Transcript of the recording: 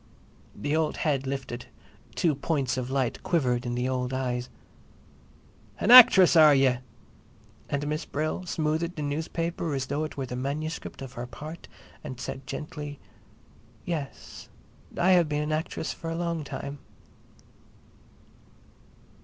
The old head lifted; two points of light quivered in the old eyes. "An actress—are ye?" And Miss Brill smoothed the newspaper as though it were the manuscript of her part and said gently; "Yes, I have been an actress for a long time."